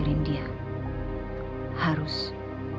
ini pemberitahan makhluk elect hides